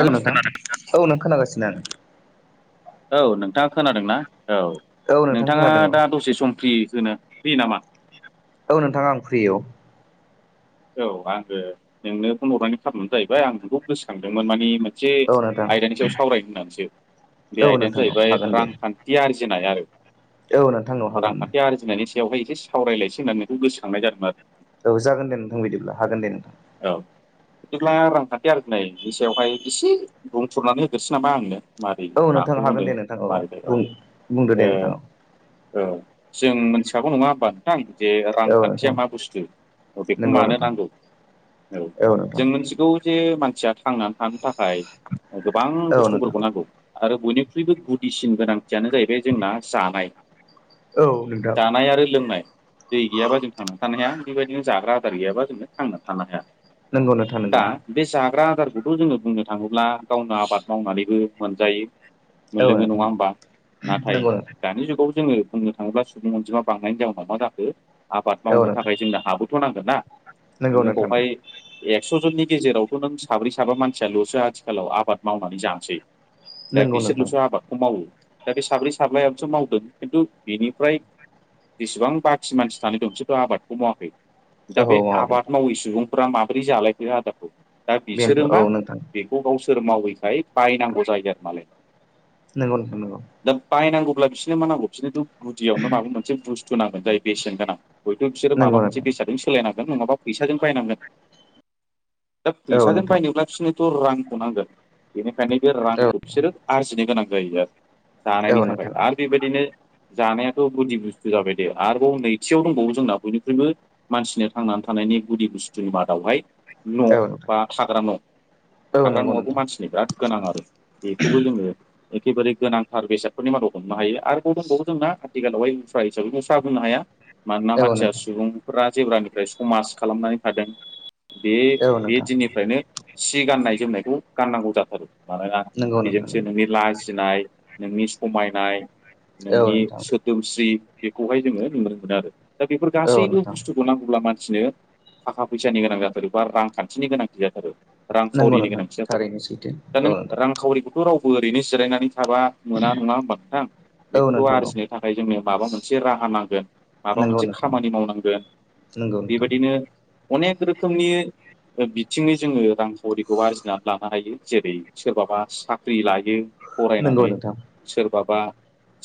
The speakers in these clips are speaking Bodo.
हेल' नोंथां औ नों खोनागासिनो आं। औ नोंथाङा खोनादोंना औ औ नोंथां नोंथाङा खोनादों दा दसे सम फ्रि होनो फ्रि नामा? औ नोंथाङा आं फ्रि औ। औ आङो नोंनो फन हरनानै खारननो जाहैबाय आं नोंखौ गोसोखांदोंमोन माने मोनसे औ से नोंथां आयदानि सायाव सावरायनो होननानैसो औ बे आयदायानो नोंथां औ जाहैबाय हागोन दे रांखान्थि आर जेनाय आरो। औ नोंथां ओ हागोन। बेवहाय एसे सावरायलायसै होननानै शखौ गोसोखांनाय जादोंमोन आरो। औ जागोन दे नोंथां बिदिब्ला हागोन दे नोंथां। औ। बिदिब्ला रांखान्थि आरजिनायनि सायावहाय एसे बुंफोरनानै होग्रोनिसै नामा आंनो। मारै औ नोंथां माखौ हागोन होनो दे नोंथां मारै औ बुं बुंदो ओ दे नोंथां औ ओ जों मिथिखागौ नङा होनोमबा नोंथां? जे औ नोंथां रांखान्थिया मा बुस्थु ओ बेखौ नंगौ मानो नोंथां नांगौ औ जों मिथिगौ जे मानसिया थांनानै थानो थाखाय गोबां औ नोंथां बुस्थुफोरखौ नांगौ। आरो बयनिख्रुइबो गुदिसिन गोनांथियानो जाहैबाय जोंना जानाय औ नोंथां जानाय आरो लोंनाय दै गैयाबा जों थांना थानो हाया बेबायदिनो जाग्रा आदार गैयाबा जों थांना थानो हाया। नंगौ नोंथां नंगौ दा बे जाग्रा आदारखौथ' जोङो बुंनो थाङोब्ला गावनो आबाद मावनानैबो मोनजायो औ मोनलोङो नोंथां नङा होमबा? नाथाय नंगौ नोंथां दानि जुगाव जोङो बुंनो थाङोब्ला सुबुं अनजिमा बांनायनि जाउनाव मा जाखो आबाद औ मावनो नोंथां थाखाय जोंनो हाबोथ' नांगोन ना नंगौ नोङो नोंथां बेवहाय एक स'जननि गेजेरावथ' नों साब्रै साबा मानसियाल'सो आथिखालाव आबाद मावनानै जानसै। दा नंगौ नंगौ बिसोरल'सो नोंथां आबादखौ मावो। दा बे साब्रै साब्लायाबसो मावदों खिन्थु बेनिफ्राय जेसेबां बाखि मानसि थानाय दं बिसोरथ' आबादखौ मावाखै। दा बे औहो औ मावाखै। आबाद मावै सुबुंफोरा माबोरै जालायखो आदारखौ दा बिसोर बेनोथ' औ मा नोंथां बैखौ गाव सोर मावैखाय बायनांगौ जायो आरो मालायनाव। नोंगौ नोंथां नांगौ। बायनांगौब्ला बिसोरनो मा नांगौ बिसोरनोथ' गुदियावनो माबा मोनसे बुस्थु नांगोन जाय बेसेन गोनां हयथ' बिसोरो माबा नंगौ मोनसे नोंथां बेसादजों सोलायनांगोन नङाबा फैसाजों बायनांगोन दा औ फैसाजों नोंथां बायनोब्ला बिसोरनो थ रांखौ नांगोन बेनिखायनो बे औ रांखौ बिसोरो आरजिनो गोनां जायो आरो। जानायनि औ थाखाय नोंथां आरो बेबायदिनो जानाया थ गुदि बुस्थु जाबाय दे आरोबाव नैथियाव दंबावो जोंना बयनिख्रुइबो मानसिनो थांनानै थानायनि गुदि बुस्थुनि मादावहाय न' औ नोंथां बा थाग्रा न'। औ थाग्रा नंगौ न'आथ' नोंथां मानसिनो बिराद गोनां आरो बेखौबो जोङो एखेबारे गोनांथार बेसादफोरनि मादाव हमनो हायो आरोबाव दंबावो जोंना आथिखालावहाय उफ्रा हिसाबै उफ्रा बुंनो हाया मानोना औ मानसिया नोंथां सुबुंफोरा जेब्लानिफ्राय समाज खालामनानै थादों बे औ बे नोंथां दिननिफ्रायनो सि गाननाय जोमनायखौ गाननांगौ जाथारो। मानोना नंगौ नोंथां बेजोंसो नोंनि लाजिनाय नोंनि समायनाय औ नोंनि नोंथां सोदोमस्रि बेखौहाय जोङो नुनो मोनो आरो। दा बेफोर औ गासैबो नोंथां बुस्थुखौ नांगौब्ला मान सिनो थाखा फैसानि गोनां जाथारो बा रांखान्थिनि गोनांथि जाथारो। नंगौ रांखावरिनि नोंथां गोनांथि जाथारो थारैनो सैथो दा औ नों नोंथां रांखावरिखौथ' रावबो ओरैनो जिरायनानै थाबा मोना नङा होमबा नोंथां? औ बेखौथ' नोंथां औ आरजिनो थाखाय जोंनो माबा मोनसे राहा नांगोन माबा मोनसे खामानि मावनांगोन। नोंग बेबायदिनो अनेक रोखोमनि ओ बिथिंङै जोङो रांखावरिखौ आरजिनानै लानो हायो जेरै सोरबाबा साख्रि लायो नंगौ फरायनानै नोंथां सोरबाबा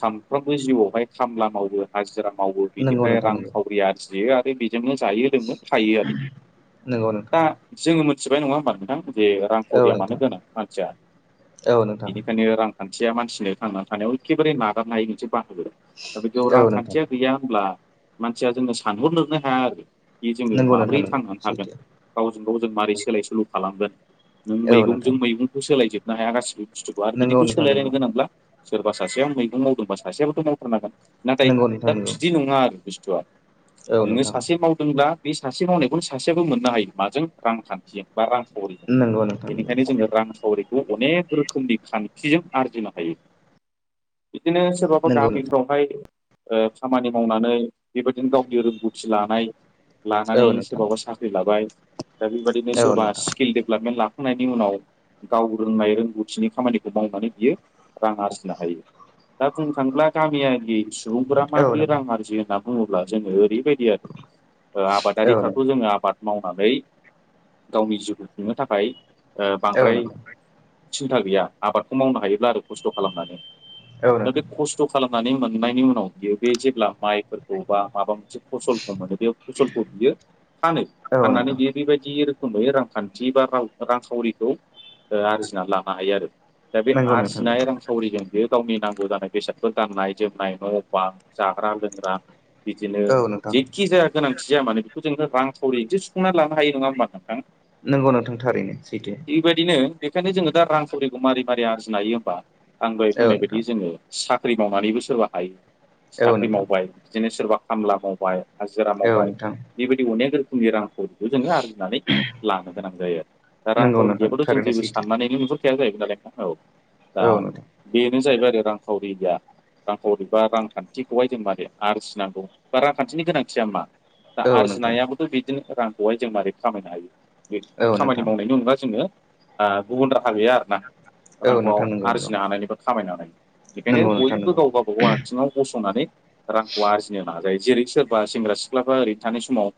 सानफ्रोमबो जिउआवहाय खामला मावो हाजिरा मावो नंगौ बिनिफ्राय नोंथां नंगौ रांखावरि आरजियो आरो बि जोंनो जायो लोंनो थायो आरो नंगौ दा नोंथां जोङो मिथिबाय नङा होमबा नोंथां? जे औ रांखाउरिया मानो नोंथां गोनां मानसिया औ नोंथां बेनिखायनो रां खानथिया मानसिनो थांनानै थानायाव एखेबारे नागारनो हायि मोनसे बाहागो दा बिदियाव औ नोंथां रांखान्थिया गैया होम ब्ला मानसिया जोङो सानहरनोनो हाया आरोखि जोङो नंगौ नोंथां माबोरै नंगौ थांनानै थागोन सैथो गाव जों मारोरै सोलाय सोल' खालामगोन नों औ नोंथां मैगंजों मैगंखौ सोलाय जोबनो हाया गासिबो बुस्थुखौ आरो नंगौ बिदिखौ नोंथां सोलायलायनो नंगौ गोनांब्ला सोरबा सासेया मैगं मावदोंबा सासेआबोथ' मावथारनांगोन नाथाय नंगौ नोंथां दा नंगौ बिदि नङा आरो बुस्थुआ औ नोङो नोंथां सासे मावदोंब्ला बे सासे मावनायखौनो सासेयाबो मोननो हायो माजों रांखान्थिजों बा रांखावरि नंगौ नोंथां बेनिखायनो जोङो रांखावरि अनेक रोखोमनि खान्थिजों आरजिनो हायो बिदिनो सोरबाबा नंगौ नंगौ नोंथां गामिफ्रावहाय ओ खामानि मावनानै बेबायदिनो गावनि रोंगौ थि लानाय औ लानानै नोंथां सोरबाबा साख्रि लाबाय दा बेबायदिनो औ सोरबा नोंथां स्किल डेभलपमेन्ट ला खांनायनि उनाव गाव रोंनाय रोंगौथिनि खामानिखौ मावनानै बियो रां आरजिनो हायो दा बुंनो थाङोब्ला गामिया सुबुंफोरा औ माबोरै नोंथां रां आरजि होनना बुङोब्ला जोङो ओरैबायदि आरो ओ औ नोंथां आबादारिफ्राथ' जोङो आबाद मावनानै गावनि जिउखौ खुंनो थाखाय ओ औ बांद्राय नोंथां सिन्था गैया आबादखौ मावनो हायोब्ला आरो खस्थ' खालामनानै औ दा बे नोंथां खस्थ' खालाम नानै मोननायनि उनाव बियो बे जेब्ला माइफोरखौ बा माबा मोनसे फसलखौ मानो बे फसलखौ बियो फानो औ फाननानै नोंथां बियो बेबायदिोखोम रोखोमै रांखान्थि बा राव रांखावरिखौ ओ आरजिना लानो हायो आरो दा बे नंगौ नोंथां आरजिनाय रांखावरिजों बे गावनि नांगौ जानाय बेसादफोर गाननाय जोमनाय न' बां जाग्रा लोंग्रा बिदिनो औ नोंथां जेखि जाया गोनांथि जाया मानोे बेखौ जोंङो रां खाउरि एसे सुफुंनानै लानो हायो नङा होमबा नोंथां नंगौ नोंथां थारैनो सैथो बेबायदिनो बेखायनो जोङो दा रांखाउरिखौ मारै मारै आरजिनो हायो होमबा आं दहाय औ बुंनाय बायदि नोंथां जोङो सा ख्रि मावनानैबो सोरबा हायो औ साख्रि नोंथां मावबाय बिदिनो सोरबा खामला मावबाय हाजिरा औ मावबाय नोंथां बेबायदि अनेक रोखोमनि रां जोङो आरजिनानै लानो गोनां जायो दा नंगौ रांखावरि नोंथां गैयाबाथ' जों थारैनो जेबो सैथो साननानैनो नुहु [unintelligible] जाहैबाय नालाय फास्तआव दा औ नोंथां बेनो जाहैबाय रांखावरिया रांखावरि बा रांखान्थिखौहाय जों माने आरजिनांगौ बा खान्थिनि गोनांथिया मा दा औ नोंथां आरजिनायाबोथ' बिदिनो रांखौहाय जों मारै खामायनो हायो औ खामानि नोंथां मावनायनि नङा जोङो गुबुन राहा गैया आर ना औ रांखौ नोंथां नंगौ नंगौ आरजिनो हानायनिबो खामायनानै बेखायनो नंगौ नोंथां बयबो नंगौ गाव गाबागाव आथिङाव गसंनानै रांखौ आरजिनो नाजायो जेरै सोरबा सेंग्रा सिख्लाफ्रा ओरैनो थानाय समाव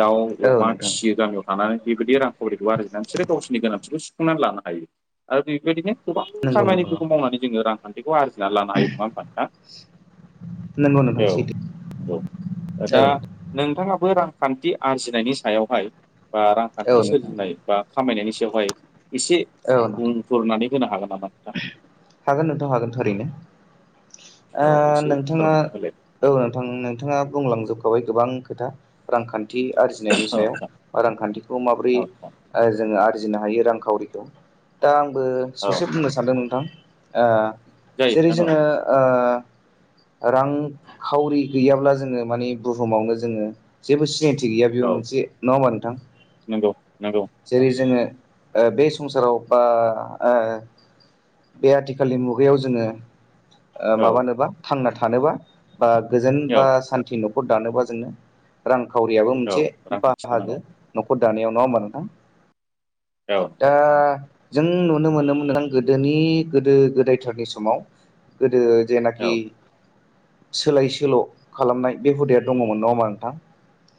दाउ औ अमा नोंथां फिसियो गामियाव थानानै बेबायदि रांखावरिखौ आरजिनानै बिसोरो गावसोरनि गोनांथिखौ सुफुंनानै लानो हायो आरो बेबायदिनो गोबां नंगौ नंगौ खामानिफोरखौ मावनानै जोङो रां आरजिना लानो हायो नङा होमबा नोंथां नंगौ नोंथां औ सैथो नंगौ औ दा नोंथां नोंथाङाबो रांखान्थि आरजिनायनि सायावहाय बा रांखान्थि औ नोंथां सोरजिनाय बा खामायनायनि सायावहाय एसे औ नोंथां बुंफुरनानै होनो हागोन नामा हागोन नोंथां हागोन थारैनो ओ औ एसे नोंथाङा फोरमायना होलाय औ नोंथां नोंथाङा बुंलांजोबखाबाय गोबां खोथा रांखान्थि आरजिनायनि औ सायाव रांखान्थिखौ माबोरै नोंथां औ नोंथां ओ जोङो आरजि जिनो हायो रांखावरिखौ दा आंबो औ ससे नोंथां बुंनो सान्दों नोंथां ओ जायो जेरै नोंथां जोङो ओ रांखावरि गैयाब्ला जोङो माने बुहुमावनो जोङो जेबो सिनायथि गैया बेयाव औ औ मोनसे नङा होमबा नोंथां नंगौ नंगौ जेरै नोंथां जोङो ओ बे संसाराव बा ओ बे आथिखालनि मुगायाव जोङो ओ औ माबानोबा थांना था थानोबा बा गोजोन औ बा सान्थि न'खर दानोबा जोंनो रां खावरियाबो औ मोनसे रांखान्थिखौ बाहागो नांगौ न'खर दानायाव नङा होमबा नोंथां औ नंगौ दा नोंथां जों नुनो मोनोमोन [inaudible] गोदोनि गोदो गोदायथारनि समाव गोदो जेनाखि औ सोलाय सोल' खालामनाय बे हुदाया दङमोन नङा होमबा नोंथां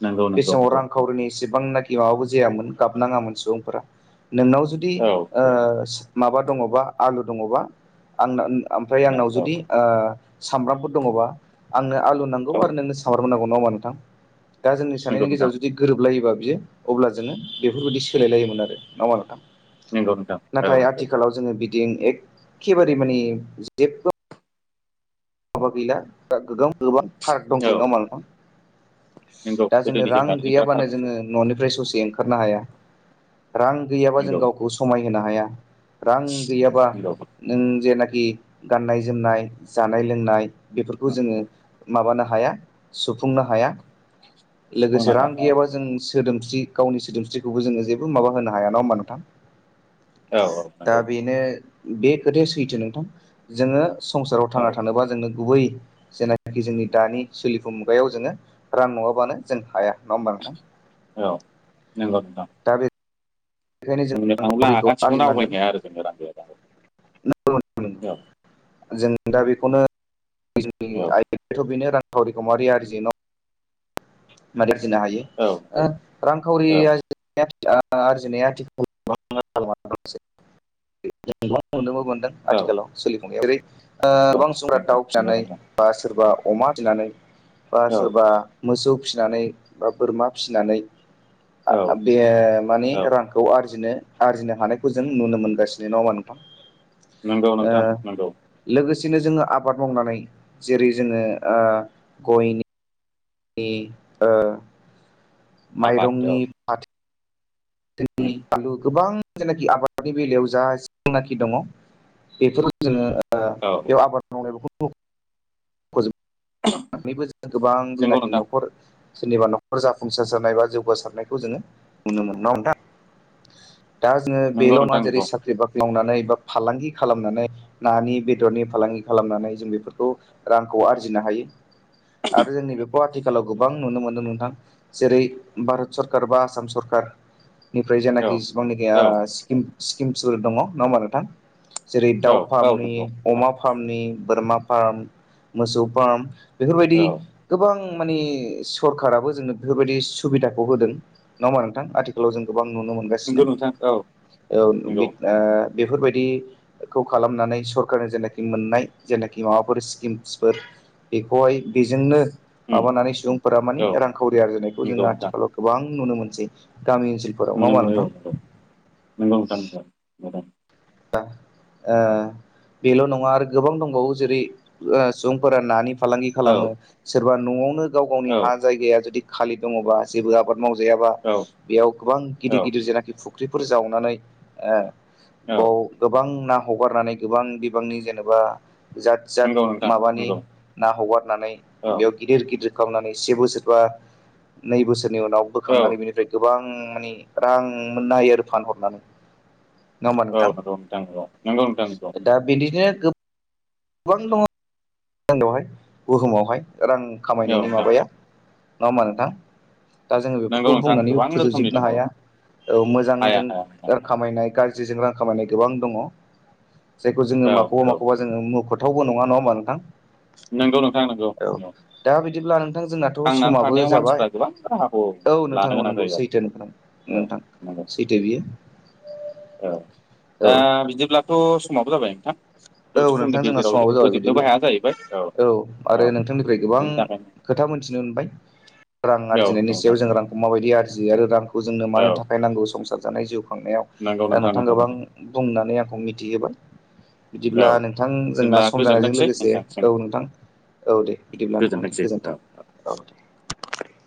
नंगौ बे नंगौ समाव नंगौ रांखावरिनि एसेबांनाखि माबाबो जायामोन गाबनाङामोन सुबुंफोरा नोंनाव जुदि औ ओ माबा दङबा आलु दङबा आंना ओमफ्राय आंनाव नंगौ औ जुदि ओ सामब्रामफोर दङबा आंनो आलु नांगौ औ आरो नोंनो सामब्राम नांगौ होमबा नोंथां दा जोंनि नंगौ साननायनि नोंथां गेजेराव जुदि गोरोबलायोबा बियो अब्ला जोङो बेफोरबायदि सोलायलायोमोन आरो ना मा नोंथां नंगौ नोंथां औ नाथाय नंगौ आथिखालाव जोङो बिदि एखेबारे माने जेबो माबा गैला गोबां गोबां पाराक औ दंसै नङा होमबा नोंथां नंगौ दा जोङो गोदोनिजों रां दानिजों बिराद गैयाबानो फारागसै जोङो न'निफ्राय ससे ओंखारनो हाया रां गैयाबा जों नंगौ गावखौ समायहोनो हाया रां गैयाबा नंगौ नों जेनाखि गाननाय जोमनाय जानाय लोंनाय बेफोरखौ जोङो माबानो हाया सुफुंनो हाया सुफुंना लोगोसे रां लानायाव गैयाबा जों सोदोमस्रि गावनि सोदोमस्रिखौबो जोङो जेबो माबा होनो हाया नङा होमबा नोंथां औ औ दा नंगौ बेनो बे खोथाया सैथो नोंथां जोङो संसाराव औ थांना था जोंनो गुबै जेनाखि जोंनि दानि सोलिफु मुगायाव जोङो रां नङाबानो जों हाया नङा होमबा नोंथां औ नोंगौ नोंथां दा बेनिखायनो जों बुंनो थाङोब्ला रांखावरिखौ आगानसेखौनो आरजिनांगोन आवगायनो हाया आरो जोङो रां [unintelligible] [inaudible] औ जों दा बेखौनो [inaudible] औ [inaudible] होनो औ हायो नंगौ [inaudible] औ रांखावरिया [inaudible] ओ आरजिनाया आथिखाल [inaudible] औ आथिखालाव सोलिफुं [inaudible] ओै औ बां सुबुंफरा नंगौ दाउ नंगौ फिसिनानै नोंथां बा सोरबा अमा फिनानै बा औ सोरबा मोसौ फिसिनानै बा बोरमा फिसिनानै औ [unintelligible] बे माने औ रांखौ आरजिनो आरजिनो हानायखौ जों नुनो मोनगासिनो नङा होमबा नोंथां नोंगौ नोंथां नोंगौ [unintelligible] नो जोङो आबाद मावनानै जेरै जोङो ओ गयनि नि ओ आबाद औ माइरंनि फाथ [inaudible] उम, आलु गोबां जायनाखि आबादनि बेलायाव जा जेनाखि दङ बेफोरखौ जोङो ओ ओ औ बेयाव आबाद मावनाय [inaudible] [inaudible] जों गोबां नंगौ जेनाखि नोंथां न'खर सोरनिबा न'खर जाफुंसारजानाय बा जौगासारनायखौ जोङो नुनो मोनो [inaudible] नोंथां दा जोङो बेल' नंगौ ना नोंथां जेरै नंगौ साख्रि बाख्रि मावनानै बा फालांगि खालामनानै नानि बेदरनि फालांगि खालामनानै जों बेफोरखौ रांखौ खौ आरजिनो हायो आरो जोंनि बे आथिखालाव गोबां नुनो मोनदों नोंथां जेरै भारत सरखारार बा आसाम सरखार निफ्राय औ जायनाखि औ जिसिबांनाखिनि स्किम्सफोर दङ नङा होमबा नथां जेरै औ दाउ औ फार्मनि नंगौ नोंथां अमा फार्मनि बोरमा फार्म मोसौ फार्म बेफोरबायदि औ गोबां माने सरखाराराबो जोंनो बेफोरबायदि सुबिदाखौ होदों नंङा हा नोंथां आथिखालाव जों गोबां नुनो मोनगासिनो नंगौ नोंथां औ औ नंगौ बेफोरबायदिखौ खालामनानै सरकारनि जेनाखि मोननाय जेनाखि माबाफोर स्किमसफोर बेखौहाय बेजोंनो उम, माबानानै सुबुंफोरा मानि औ रांखावरि आरजिनायखौ जोङो नंगौ नोंथां आथिखालाव गोबां नुनो मोनसै। गामि ओनसोलफोराव नङा नुनो होमबा मोनो औ नंगौ नोंथां? नंगौ नोंथां नंगौ नंगौ दा आ बेल' नङा आरो गोबां दंबावो जेरै ओ सुबुंफोरा नानि फालांगि औ खालामो सोरबा न'आवनो गाव गावनि औ हा जायगाया जुदि खालि दङबा जेबो आबाद मावजायाबा औ बेयाव गोबां औ गिदिर गिदिर जेनाखि फुख्रिफोर जावनानै ओ औ बाव गोबां ना हगारनानै गोबां बिबांनि जेनेबा जाथ जाथ नंगौ नोंथां माबानि नंगौ ना हगारनानै औ बेयाव गिदिर गिदिर बोखांनानै से बोसोर बा नै बोसोरनि उनाव औ बोखांनानै बेनिफ्राय गोबां बां माने रां मोननो हायो आरो फानहरनानै। नङा होमबा औ नंगौ नंगौ नंगौ नोंथां नंगौ नोंथां। दा बिदिनो गोब बां दङ बेवहाय बुहुमावहाय। रां औ खामायनायनि नोंथां माबाया नङा होमबा नोंथां। दा जोङो नंगौ बेफोरखौ नोंथां बुंनानै गोबां रोखोमनि फोजोबजोबनो दङ हाया। औ हाया मोजांजों हाया नोंथां खामायनाय गाज्रि जिजों रां खामनाय गोबां दंङ। जायखौ जोङो औ माखौबा नंगौ माखौबा जोंङो मुख थावबो नङा नङाहोमबा नोंथां। नंगौ नोंथां नंगौ नंगौ। थां जोंनाथ' समाबो जाबाय। गोबां राहाखौ औ नोंथां लानो गोनां नंगौ जायो आरो सैथो नोंथां औ नोंथां नंगौ सैथो बियो। औ दा औ बिदिब्लाथ' समाबो जाबाय नोंथां? औ दसे समनि नोंथां जोंना गेजेराव समावो जों जाबाय। फोजोबनोबो बिदिब्ला हाया जाहैबाय औ आरो औ नोंथांनिफ्राय गोबां बेनि थाखायनो खोथा मोनथिनो मोनबाय। रां औ आरजिनायनि नंगौ सायाव नोंथां जों नंगौ रांखौ माबायदि आरजि जियो आरो रांखौ जोंनो औ मानो थाखाय नांगौ संसार जानाय जिउ खांनाय नंगौ दा नोंथां नंगौ गोबां नंगौ बुंनानै आंखौ मिथिहोबाय। बिदिब्ला औ नोंथां जोंना बिदिब्ला सम जानायजों गोजोनथोंसै लोगोसे नोंथांसिम औ नोंथां। औ दे बिदिब्ला नोंथां दे गोजोनथोंसै गोजोन्थों औ औ दे।